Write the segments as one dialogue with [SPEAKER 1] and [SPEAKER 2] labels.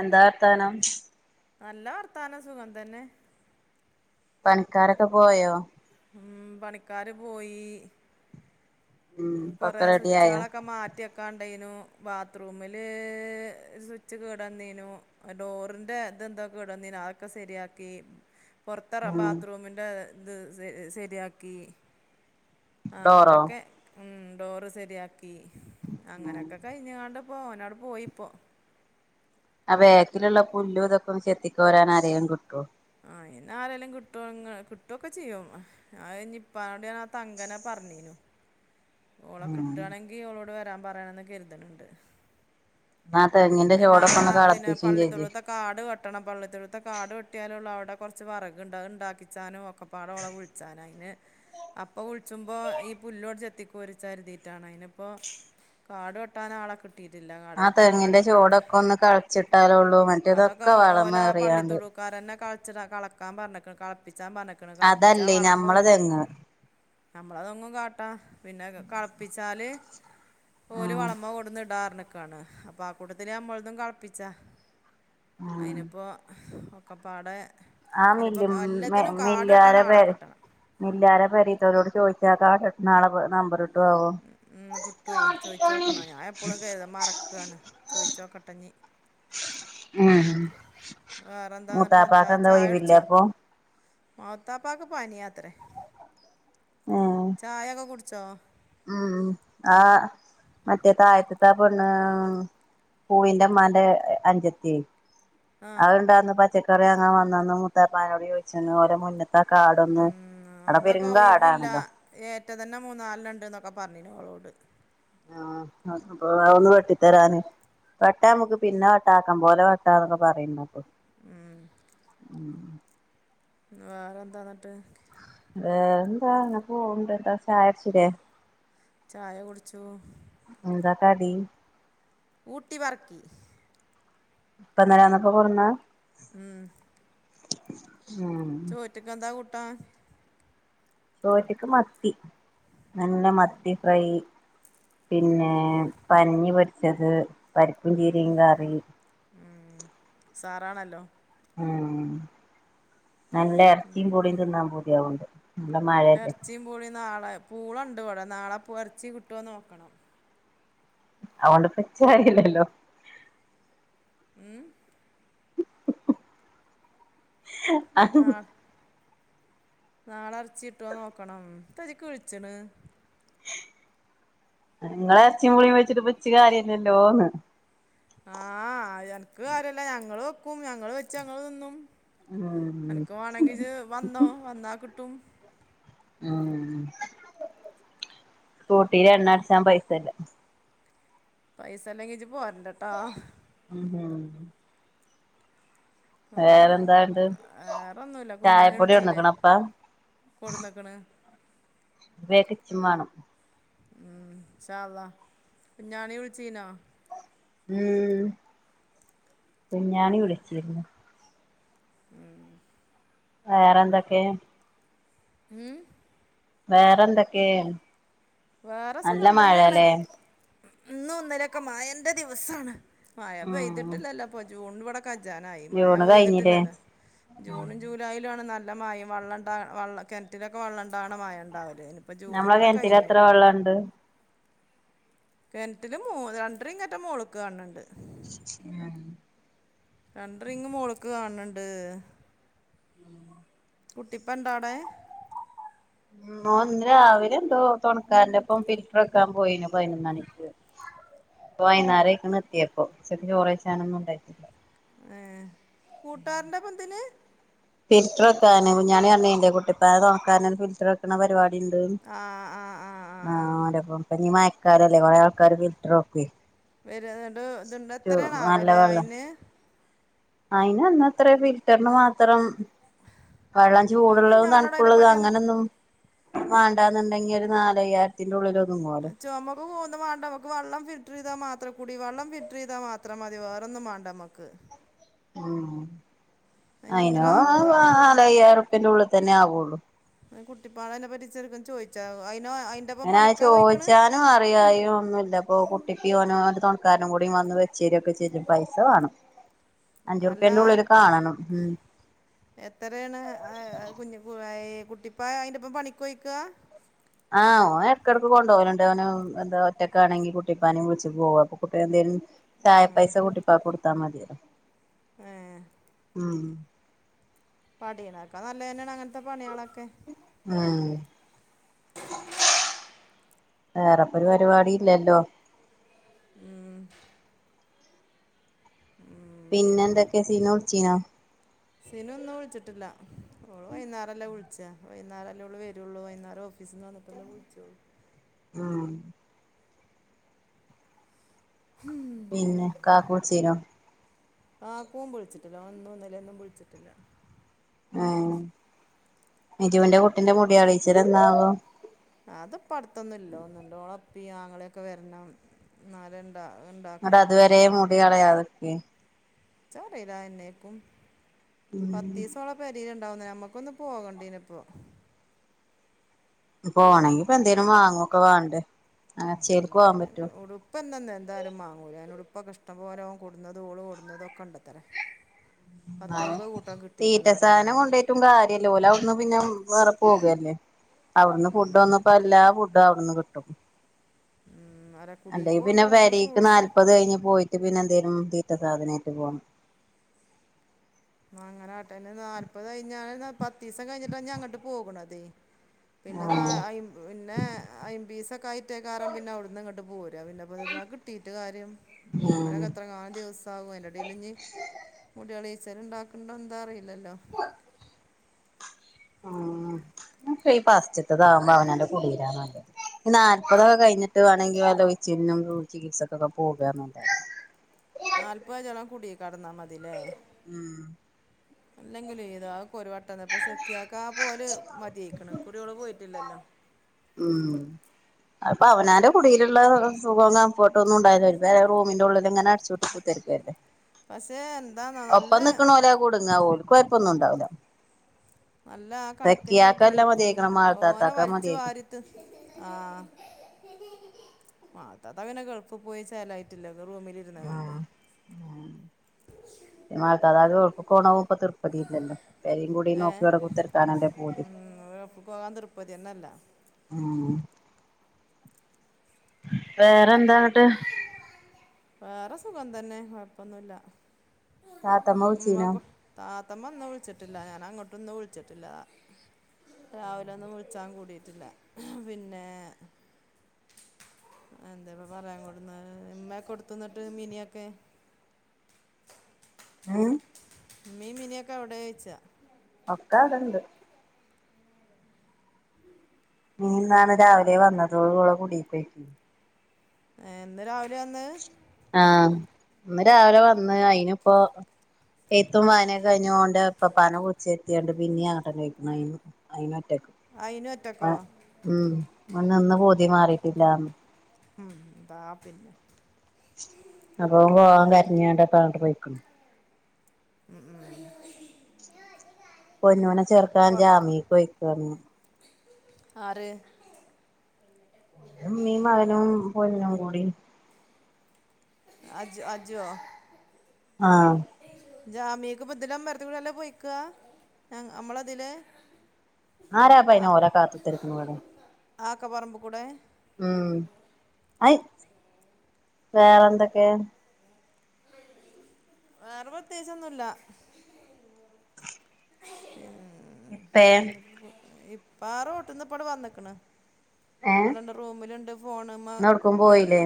[SPEAKER 1] എന്താ വർത്താനം.
[SPEAKER 2] നല്ല വർത്താനം സുഖംതന്നെ.
[SPEAKER 1] പണിക്കാരൊക്കെ പോയോ?
[SPEAKER 2] ഉം പണിക്കാർ പോയി.
[SPEAKER 1] ഉം
[SPEAKER 2] കൊറേ
[SPEAKER 1] ഇപ്പൊക്കെ റെഡിയായോ
[SPEAKER 2] സ്വിച്ചുകളൊക്കെ മാറ്റിവെക്കാണ്ടായിന്നു. ബാത്റൂമില് സ്വിച്ച് കേട് വന്നീന്നു ഡോറിന്റെ ഇന്ത് യെന്തൊ കേട് വന്നി അതൊക്കെയെ സെരിയാക്കി. പുറത്തെ റ
[SPEAKER 1] ഉം
[SPEAKER 2] ബാത്റൂമിന്റെ ഇത് ശരിയാക്കി.
[SPEAKER 1] ഡോറോ
[SPEAKER 2] അങ്ങനെയൊക്കെ ഉം ഡോറ് ശരിയാക്കി
[SPEAKER 1] ഉം
[SPEAKER 2] അങ്ങനൊക്കെ കഴിഞ്ഞി ങ്ങാട്ട് പൊ മോന്ആട്ട് പോയിപൊ.
[SPEAKER 1] ആ ബേക്കിലുള്ള പുല്ലല് ഇതൊക്കെ ഒന്ന് ചെത്തിക്കോരാൻ അറിയം കിട്ടുവ
[SPEAKER 2] ആ എന്നാ ആരെേങ്കാലും കട്ടും കട്ടുവൊക്കെ ചെയ്യും അത് ഇപ്പോട ആ തങ്ങനെ
[SPEAKER 1] ഉ
[SPEAKER 2] പറഞ്ഞേനു ഓള കിട്ടവാണെങ്കി ഓളോട് വരാൻ പറയണന്ന് കരുതണുണ്ട്
[SPEAKER 1] എന്നാ തെങ്ങിന്റെ
[SPEAKER 2] അയിെ ആ
[SPEAKER 1] ചോടൊക്കെ ഒന്ന്
[SPEAKER 2] പിന്നെ
[SPEAKER 1] കളപ്പിച്ചും ചേച്ചി
[SPEAKER 2] പള്ളിത്തൊടുത്ത കാട് വെട്ടണം പള്ളിത്തൊടുത്ത കാട് കെട്ടിയാലള്ള അവിടെ റ ഉണ്ടാക്കും ഒക്കപ്പാട വിിച്ചും അ കൊച്ചുമ്പോ ഈ പുല്ലോട് ചെത്തിക്കരിിച്ചരുതിയിട്ടാണ് അതിനിപ്പോ കാട് വെട്ടാന ആളെ കി
[SPEAKER 1] ആ
[SPEAKER 2] കിട്ടില്ലാട്െട്ടാ ആളെി
[SPEAKER 1] തെങ്ങിന്റെ ചോടൊക്കെ ഒന്ന് കളച്ചിട്ടാലള്ളൂ
[SPEAKER 2] അതൊക്കെ
[SPEAKER 1] മറ്റേതൊക്കെ വളമ അറിയാണ്ട്
[SPEAKER 2] കടാ കളക്കാൻ പറഞ്ഞ കളപ്പിച്ചാൻ പറഞ്ഞക്കണ് കളപ്പിച്ചാ
[SPEAKER 1] അതല്ലേ ഞമ്മളെ
[SPEAKER 2] വളമ്പല
[SPEAKER 1] തെങ്ങ്
[SPEAKER 2] നമ്മള അതൊങ്ങും കാട്ടാ പിന്നെ കളപ്പിച്ചാല് ഓല്
[SPEAKER 1] ഉം
[SPEAKER 2] വളമ കൂടന്ന് ഇടാറനക്കാണ് അപ്പൊ ആ കൂട്ടത്തി അമ്മളതും കളപ്പിച്ചാ
[SPEAKER 1] ഉം
[SPEAKER 2] അയിനിപ്പോൊ ഒക്കപ്പാടെ
[SPEAKER 1] ആ മില്ല മില്ലാര
[SPEAKER 2] വെട്ടാൻ
[SPEAKER 1] പ
[SPEAKER 2] ആളെ കിട്ടണം
[SPEAKER 1] മില്ലാരെ പെരത്തവരോട് ചോദിച്ച നാളെ നമ്പ
[SPEAKER 2] ഉ ഉ കിട്ടയി ചോയ്ിച്ച നോക്കണോ ഞാൻ എപ്പോഴും കരുത മറക്കാണ് ചോയ്ുോക്കട്ടെഞ്ഞീ
[SPEAKER 1] ഉം
[SPEAKER 2] വേറെ എന്താ എന്നിട്ട് എന്താ
[SPEAKER 1] മൂത്താപ്പാക്ക്
[SPEAKER 2] ചായ
[SPEAKER 1] ഒഴിവില്ല
[SPEAKER 2] അടിച്ചോ
[SPEAKER 1] അപ്പൊ
[SPEAKER 2] മത്താപ്പാക്ക് പോാന അയാത്ര
[SPEAKER 1] ഏഹ്
[SPEAKER 2] ചായൊക്കെ കുടിച്ചോ
[SPEAKER 1] ഉം ആ മറ്റേ താഴത്തത്തൊ പെണ് പൂവിൻന്റെ മന്റെ അഞ്ചത്തി
[SPEAKER 2] ആ
[SPEAKER 1] അത്ണ്ടാന്ന് പച്ചക്കറി അങ്ങങ് വന്നന്ന് മുത്താപ്പാനോട് ചോദിച്ചന്ന് ഓല മുന്ന
[SPEAKER 2] ഉം അന്നൊക്കെ ഒ ഇവില്ല
[SPEAKER 1] കാടാണല്ലോ
[SPEAKER 2] ഏറ്റ തന്നെ മൂന്ന നാലണ്ട് ഒക്കെ പറഞ്ഞന് അവളോട്
[SPEAKER 1] ആ് അപ്പൊ ഒന്ന് വെട്ടി തരാാന് വെട്ടാ നമ്മുക്ക് പിന്നെ വെട്ട ആക്കൻ പോലെ വെട്ട എന്നൊക്കെ പറയുന്നക്ക
[SPEAKER 2] ഉം വേറെ എന്താന്നിട്ട്
[SPEAKER 1] അത എന്താ പോൂണ്ട് ദിവസ ആയിച്ചിട്ടേ
[SPEAKER 2] ചായ കുടിച്ചു
[SPEAKER 1] താടി
[SPEAKER 2] ഊട്ടി വറക്കി
[SPEAKER 1] ഇപ്പൊന്നരാന്നക്ക കൊന്ന
[SPEAKER 2] ഉം
[SPEAKER 1] ഉം
[SPEAKER 2] ചോറ്റ കധാ കുുട്ടാ
[SPEAKER 1] ചോറ്റക്ക് മത്തി നല്ല മത്തി ഫ്രൈ പിന്നെ പന്നി പൊടിച്ചത് പപ്പും ചീരയും കറി
[SPEAKER 2] ഉ സാറാണല്ലോ
[SPEAKER 1] ഉം നല്ല ഇറച്ചിയും കൂടിയും തിന്നാൻ പൂതിയാവൊണ്ട്
[SPEAKER 2] ഇറച്ചിയും പൂളി നാളെ പൂളുണ്ട് അവിട നാളെ ഇറച്ചി കിട്ടുവ നോക്കണം
[SPEAKER 1] അൊണ്ട് പച്ചറില്ലല്ലോ
[SPEAKER 2] ഉം
[SPEAKER 1] ആഹ
[SPEAKER 2] നാളെറച്ചി ഇട്ട നോക്കണം തച്ചിക്ക് കുഴിച്ചണ്
[SPEAKER 1] നിങ്ങ ഇറച്ചിയുംപുളിയും വെച്ചിട്ട് ഇച്ച് കാര്യന്നല്ലോന്ന്
[SPEAKER 2] ആഹ എനക്ക് കാര്യല്ല ഞങ്ങള് വെക്കും ഞങ്ങള് വെച്ച് ഞങ്ങള് തിന്നും
[SPEAKER 1] ഉം
[SPEAKER 2] എനക്ക് വേണെങ്കിത് വന്നോ വന്നാ കിട്ടും
[SPEAKER 1] ഉം സ്കൂട്ടിൽ എണ്ണ അടച്ച പൈസല്ല
[SPEAKER 2] പൈസല്ലാംങ്കച്ചി പോരണ്ടട്ടാ
[SPEAKER 1] ഉം വേറെന്താണ്ട്
[SPEAKER 2] വേറൊന്നുല്ല
[SPEAKER 1] ചായപ്പൊടി ഉണക്കണപ്പാ
[SPEAKER 2] കൊടുന്നക്ക്ണ്
[SPEAKER 1] ഇയക്കെ [unintelligible] ചുമ്മാണ്ണം
[SPEAKER 2] ഉം ഇഷാള്ള കുഞ്ഞാണി വിളിച്ചനൊ
[SPEAKER 1] ഉം കുഞ്ഞാണി വിളിച്ചിരുന്നു
[SPEAKER 2] ഉം
[SPEAKER 1] വേറെന്തൊക്കെ
[SPEAKER 2] ഉം
[SPEAKER 1] വേറെന്തൊക്കേ
[SPEAKER 2] വേറെ സുഖം തന്നെണ് ഇന്നും ഒന്നിലൊക്കെ മഴന്റെ ദിവസണ് മഴ
[SPEAKER 1] ഉം
[SPEAKER 2] പെയ്തിട്ടില്ലല്ലോ അപ്പം ജൂൺ ഇവിട കജനായി മയ
[SPEAKER 1] ജൂണ് കഴിഞ്ഞില്ലേ
[SPEAKER 2] പെയ്തിട്ടില്ലല്ലോ ജൂണും ജൂലായിലുംണ് നല്ല ല്ല മഴയും വെള്ളണ്ട വെള്ള കിണറ്റിലൊക്കെ വെള്ളംണ്ടാണ് മഴ ഉണ്ടാവി
[SPEAKER 1] നമ്മകെൻറ്റിൽ എത്ര വെള്ളണ്ട്
[SPEAKER 2] കെൻറ്റില് മൂന്നു രണ്ടര ഇങ്ങറ്റ മോള്ക്ക് കാണ്ണ്ണ്ട്
[SPEAKER 1] ഉം
[SPEAKER 2] രണ്ട്രിങ്ങ് മോൾക്ക് കണ്ണ്ണ്ട്
[SPEAKER 1] ആ
[SPEAKER 2] കുട്ടിപ്പ ഇണ്ടാടെ അവിടെ
[SPEAKER 1] ഉ ഒന്ന് രാവിലെ എന്തോ തുണക്കാരൻന്റെ ഇപ്പം ഫിൽറ്റർ വെക്കാൻ പോയിന് പയിനൊന്നണിക്ക് വൈകുന്നേരക്ക്ണ് എത്തിയപ്പൊ ഉച്ചക്ക് ചോറേഴ്ചനൊന്നും ണ്ടായിട്ടില്ല
[SPEAKER 2] ഏ കൂട്ടാരന്റെ പന്തിന്
[SPEAKER 1] ഫിൽറ്റർ വക്കാന് കുഞ്ഞാണി അറിഞ്ഞില്ലേ കുട്ടിപ്പെ തോന്നാക്കാരാന് ഫിൽറ്റർ വെക്കണ പരിപാടി ഇണ്ട്
[SPEAKER 2] ആ ആ ആ ആ ആ
[SPEAKER 1] ആരാഇപ്പോ മഴക്കാരല്ലേ കൊറേ ആൾക്കാാര് ഫിൽറ്റർ വെക്കേ
[SPEAKER 2] വരതണ്ട് ഇത്ണ്ട് എത്രണ്
[SPEAKER 1] നല്ല
[SPEAKER 2] ആവലേ
[SPEAKER 1] വെള്ളം
[SPEAKER 2] അയിന്
[SPEAKER 1] അയിന് അന്നത്ര ഫിൽറ്ററിന് മാത്രം വെള്ളചൂടുള്ളതും
[SPEAKER 2] കുഞ്ഞാണോട് അതിനെ
[SPEAKER 1] തണുപ്പുള്ളതും
[SPEAKER 2] പറ്റി
[SPEAKER 1] അങ്ങനെന്നും വേണ്ടാന്നുണ്ടെങ്കി ഒരു നാല്യായിരത്തിന്റെ ഉള്ളില്ലോ
[SPEAKER 2] ചുമക്ക് കൂന്തമാണ്ട നമ്മക്ക് വെള്ളം ഫിൽട്ടർയിതാൽ മാത്ര അത്ര കൂടി വെള്ളം ഫിൽട്ടർയിതാൽ മാത്രം മതി വേറൊന്നും വേണ്ടമ്മക്ക്
[SPEAKER 1] ഉ അയിനോ
[SPEAKER 2] ആവുന്നാവോ
[SPEAKER 1] നാലയ്യായിരപ്യള്ളിൽ തന്നെ ആവുള്ളു
[SPEAKER 2] കുട്ടിപ്പാളനെ പറ്റി ചെറുക്ക ചോദിച്ച ആവോ
[SPEAKER 1] ങ്ങനെ ചോദിച്ചാനു അറിയായി ഒന്നുമില്ല ഇപ്പൊ കെട്ട്യോനും തോണക്കാരനും കൂടി വന്ന് വെച്ചേരൊക്കെ ചെയ്യും പൈസ വാണം അഞ്ചുറുപ്പേന്റെ ഉള്ളില് കാണണം ഉം
[SPEAKER 2] എത്രണ് അ കുഞ്ഞുക്ക് കു കുട്ടിപ്പാ അയിന്റെപ്പ പണിക്കോയ്ക്കാ
[SPEAKER 1] ആ ഓൻ എടക്കെടക്ക് കൊണ്ടവല്ണ്ട് ഓന് എന്താ ഒറ്റക്കെ ആണെങ്കിൽ കുട്ടിപ്പാന വിളിച് പോകും അപ്പൊ എന്തേലും ചായ പൈസ കൂട്ടിപ്പാ കൊടുത്തമതില്ലോ
[SPEAKER 2] ഉം
[SPEAKER 1] ഉം
[SPEAKER 2] പടിനക്കാ നല്ലതന്നെണ് അങ്ങനെ [unintelligible] പണിളൊക്കെ
[SPEAKER 1] ഉം വേറെ ഇപ്പ ഒരു പരുപാടി ഇല്ലല്ലോ
[SPEAKER 2] ഉം ഉം
[SPEAKER 1] പിന്നെന്തൊക്കെയ സിനു വിളിച്ചിനോ
[SPEAKER 2] സിനു ഇന്നു വിളിച്ചിട്ടില്ല ഓള് വൈന്നേരല്ലേ വിളിചേ വൈന്നാരല്ലേ ഓള് വരുള്ളൂ വൈന്നേരം ഓഫീസിന്ന് വന്നിട്ടല്ലേ വിളിച്ചോളു
[SPEAKER 1] ആഹ്
[SPEAKER 2] ഹും
[SPEAKER 1] പിന്നെ കാപ്പി കുടിച്ചിനോ
[SPEAKER 2] കാക്കും വിളിച്ചിട്ടില്ല ഓൻ ഇന്നും ഇന്നലെ ഒന്നും വിളിച്ചിട്ടില്ല
[SPEAKER 1] ആഹ് നുജുവിന്റെ കുട്ടിന്റെ മുടി കളയിച്ചൽ എന്നാവോ
[SPEAKER 2] അതിപ്പോ അടുത്തൊന്നും ഇല്ല [unintelligible] ആങ്ങളെയൊക്കെ വരണം എന്നലെ
[SPEAKER 1] അത് അതുവരെ മുടികളയാതൊ വെക്കെ
[SPEAKER 2] എനിച്ചറീല എന്നെപ്പും
[SPEAKER 1] ഉം
[SPEAKER 2] പത്തീസോളം അവളെ പെരയി ണ്ടാവുന്ന നമ്മക്കൊന്ന് പോകണ്ടനി ഇപ്പോ
[SPEAKER 1] പോണെങ്കി ഇപ്പൊ എന്തേനും വാങ്ങൊക്കെ വേണ്ടെ
[SPEAKER 2] എന്തോലും ഇങ്ങനെ ഉടുപ്പ് ഒന്നും എന്ത് എന്തായാലും മാങ്ങൂല ഞാൻ ഉടു ഉടുപ്പൊക്കെ ഇഷ്‌ടം പോലോ ഓൻ കൊണ്ട് വന്നതും ഓള് കൊണ്ടുവന്നതും ഒക്കെ ഉണ്ടത്രേ
[SPEAKER 1] ആഹ്
[SPEAKER 2] പത്തയ്മ്പത് കൂട്ടം
[SPEAKER 1] തീറ്റ
[SPEAKER 2] കിട്ടീക്കണ് പറയ്ണ്ട്
[SPEAKER 1] സാധനം
[SPEAKER 2] അമ്മായി
[SPEAKER 1] കൊണ്ടോയിട്ടും കാര്യല്ല ഓല് അവിടുന്ന് പിന്നെ വേറെ പോവയല്ലേ അവിടുന്ന് ഫുഡ് വന്നപ്പോ എല്ലാ ഫുഡും അവിടുന്ന് കിട്ടും
[SPEAKER 2] ഉം ഓരെ കുടീക്ക്
[SPEAKER 1] അല്ലെങ്കിൽ പിന്നെ
[SPEAKER 2] പോകുമ്പോ ലേസം ഫ്രൂട്ട്സ്
[SPEAKER 1] പൊരയിൽക്ക്നാല്പത് കഴിഞ്ഞ് പോയിട്ട് പിന്നെ എന്തേലും തീറ്റ സാധനം ആയിട്ട് പോണം
[SPEAKER 2] എന്നാ അങ്ങനാകട്ടെ നാല്പത് കഴിഞ്ഞാൽ പത്ത് ദിവസം കഴിഞ്ഞിട്ട് ഇന്നി അങ്ങോട്ട് പോകണതെ പിന്നെ നാ
[SPEAKER 1] ആഹ്
[SPEAKER 2] പിന്നെ അൻപീസം ഒക്കെ ആയിട്ടേ കാറാൻ പിന്നെ അവിടുന്ന് ഇങ്ങോട്ട് പോരാ പിന്നെ [unintelligible] [unintelligible] കിട്ടീട്ട് കാര്യം ഒരാക്ക്
[SPEAKER 1] ആഹ്
[SPEAKER 2] എത്ര കണ ദിവസം ആകും അതിൻ്റെ ഇടയിൽ ഇനി മുടികള [unintelligible] ഉണ്ടാക്കണ്ടോ എന്താ അറിയില്ലല്ലോ
[SPEAKER 1] ആഹ് ഇ ഫാസ്റ്റത്തത് ആകുമ്പോ അവനവൻ്റെ കുടീലാ നല്ലത് നാല്പതൊക്കെ കഴിഞ്ഞിട്ട് വേണെങ്കിൽ വല്ല ഉഴിച്ചിലിനും ചികിത്സക്കൊക്കെ പോകന്നുണ്ടേ
[SPEAKER 2] കെടന്നാൽ മതിയല്ലേ
[SPEAKER 1] ഉം
[SPEAKER 2] അല്ലെങ്കിലും ഏതാ അവക്ക് ഒരു [unintelligible] ഇപ്പൊ സെക്കിയാ ക്കാ പോല് മതിയേക്കണ് കുറികള് പോയിട്ടില്ലല്ലോ
[SPEAKER 1] ഉം അപ്പൊ അവനോന്റെ കുടിയിലുള്ള സുഖവും കംഫർട്ടും ഒന്നും ഉണ്ടായിന്ന് വരില്ല റൂമിന്റെ ഉള്ളിൽ ഇങ്ങനെ അടി ച്ചുപൂട്ടി കുത്തിയിരിക്കും [unintelligible]
[SPEAKER 2] പക്ഷെ
[SPEAKER 1] ഒപ്പം നിക്കണ ഓര കുടുങ്ങാ ഓരിക്ക് കൊഴപ്പൊന്നും ഉണ്ടാവില്ല
[SPEAKER 2] നല്ല ആ കണക്കിനുള്ള തീറ്റിയും തോനെ
[SPEAKER 1] മാൾത്താത്താക്ക
[SPEAKER 2] വലിച്ചു
[SPEAKER 1] മതിയായിക്കണ്
[SPEAKER 2] വാരിത്തിന് ആഹ്
[SPEAKER 1] [inaudible]
[SPEAKER 2] ആ താത്താക്കു പിന്നെ ഗൾഫിൽ പോയി ചേലായിട്ടില്ലെ വെറുതെ റൂമിലിരുന്നങ്ങാണ്ട്
[SPEAKER 1] ആഹ് [unintelligible] ഇപ്പൊ തൃർപ്പതി ഇല്ലല്ലോ
[SPEAKER 2] ഏഹ് ഉം ഇവരെ ഉപ്പാക്ക് പോകാൻ തൃപ്പതി ഒന്നുംല്ല
[SPEAKER 1] മ്മ് വേറെന്താന്നിട്ട്
[SPEAKER 2] വേറെ സുഖം തന്നെ കൊഴപ്പൊന്നുമില്ല
[SPEAKER 1] താത്തമ്മ വിളിച്ചിനോ
[SPEAKER 2] താത്തമ്മ ഒന്നും വിളിച്ചിട്ടില്ല ഞാൻ അങ്ങോട്ടൊന്നും വിളിച്ചിട്ടില്ല രാവിലെ ഒന്നും വിളിച്ചാൻ കൂടിയിട്ടില്ല പിന്നെ എന്താപ്പ പറയാൻ കൊടുന്ന് ഇമ്മക്കെ കൊടുത്തുന്നിട്ട് മിനിയൊക്കെ
[SPEAKER 1] ഉം
[SPEAKER 2] മ്മീ മിനിയൊക്കെ അവിടെ വെച്ചാ.
[SPEAKER 1] ഒക്കെ അവിടെണ്ട്. ഇന്നാണ് രാവിലെ വന്നത് ഓളടെ കുടിപ്പോ യോക്കണ്.
[SPEAKER 2] എന്ന് രാവിലെ വന്ന്.
[SPEAKER 1] ആഹ് ഇന്ന് രാവിലെ വന്ന് അയിന് ഇപ്പൊ ഏത്തും വായന ഒക്കെ കഴിഞ്ഞോണ്ട് ഓൻ്റെ ഇപ്പ്പ്പാന കുറിച്ചു എത്തിയണ്ട് പിന്നെയും ആട്ടം കഴിക്കണമാരുന്നു. അയിന്
[SPEAKER 2] അയിനും ഒറ്റക്കോ
[SPEAKER 1] ഉം നിന്ന് പോതി മാറിട്ടില്ലന്ന്.
[SPEAKER 2] ഉംന്താ പിന്നെ
[SPEAKER 1] അപ്പ പോവാൻ കരഞ്ഞുകണ്ട പോയിക്കണ്.
[SPEAKER 2] മ്
[SPEAKER 1] പൊന്നുനെ ചേർക്കാൻ ജാമിക്കിക് പോയിക്കാണ്.
[SPEAKER 2] ആർ
[SPEAKER 1] ന്റെ ഉമ്മീയും മകനും പൊന്നുംകൂടി.
[SPEAKER 2] അജ് അജ് വൊ
[SPEAKER 1] ആഹ്
[SPEAKER 2] ജാമ്യക്ക് ബദിലൂടെ ഇമറാത്തുകുടി കൂടെല്ല പൊയ്ക്കാ നമ്മള അതിലെ?
[SPEAKER 1] ആരാപ്പായിനോരെ കാത്തു ത്തിരിക്കുന്നു ഇവിടെ
[SPEAKER 2] ആക്കപറമ്പ് കൂടെ
[SPEAKER 1] ഉം അയ് വേറെന്തൊക്കെ?
[SPEAKER 2] വേറെ പ്രത്യേകിച്ച് ഒന്നുല്ല. ഉ [unintelligible]
[SPEAKER 1] ഇപ്പേ?
[SPEAKER 2] പ്പാ റോട്ടിന് വന്നിക്കണ്.
[SPEAKER 1] ഏ
[SPEAKER 2] അടെന്റെ റൂമിലുണ്ട്. ഫോണിമേ
[SPEAKER 1] ഇന്നൊട്ക്കും
[SPEAKER 2] കടുക്ക
[SPEAKER 1] പോയില്ലേ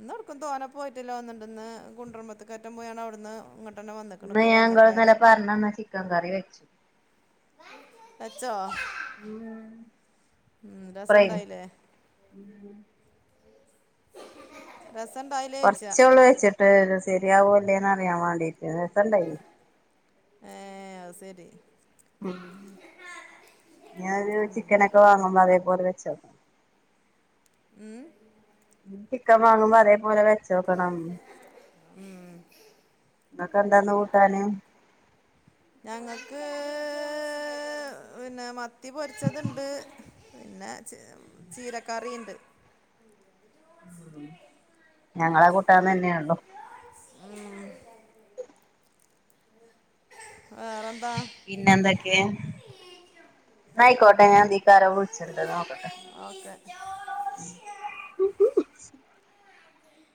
[SPEAKER 2] ഇന്ന് എവിടക്കും തോന്ന പോയിട്ടല്ലോ ഒന്നിണ്ടന്ന് കുണ്ടറുമമ്പത്തക്ക അറ്റം പോയാണ് അവിടുന്ന് ഇങ്ങട്ട്
[SPEAKER 1] ഇന്ന് ഞ ഇങ്ങൾ പറഞ്ഞന്ന ചിക്കൻ കറി വെച്ചു.
[SPEAKER 2] വെച്ചോ ഉ
[SPEAKER 1] സൂപ്പറേനി
[SPEAKER 2] രസണ്ടായില്ലേ? രസം ഉണ്ടായില്ലേ ചോദിച്ചാ
[SPEAKER 1] കൊറച്ചോള് വെച്ചിട്ട് ശെരിയാവൂല്ലേന്ന് അറിയാൻ വേണ്ടീട്ട്. രസണ്ടായി.
[SPEAKER 2] ഹ് അത് ശരി.
[SPEAKER 1] ഉം ഇനി ഒരു ചിക്കനൊക്കെ വാങ്ങുമ്പോ അതേപോലെ വെച്ചോ.
[SPEAKER 2] ഉം
[SPEAKER 1] ക്കൻ വാങ്ങുമ്പോ അതേപോലെ വെ ച്ചോക്കണം ഇങ്ങക്ക് എന്താന്ന് കൂട്ടാന്.
[SPEAKER 2] ഞങ്ങക്ക് പിന്നെ മത്തി പൊരിച്ചത്ണ്ട്. പിന്നെ ച് ചീരക്കറിയുണ്ട്.
[SPEAKER 1] ഞങ്ങളാ കൂട്ടാന്ന് തന്നെയള്ളോ?
[SPEAKER 2] ഉം വേറെന്താ
[SPEAKER 1] പിന്നെ എന്തൊക്കെ? ആയിക്കോട്ടെ ഞാഇതിക്കാരോ വിളിച്ചിണ്ട് നോക്കട്ടെ.
[SPEAKER 2] ഓക്കെ
[SPEAKER 1] [unintelligible]